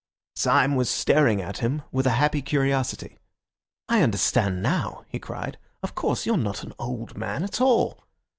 Syme was staring at him with a happy curiosity. "I understand now," he cried; "of course, you're not an old man at all."